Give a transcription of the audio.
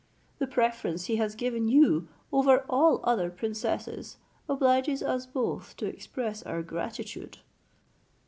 The preference he has given you over all other princesses obliges us both to express our gratitude."